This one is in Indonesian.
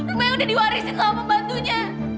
rumahnya udah diwarisi dengan pembantunya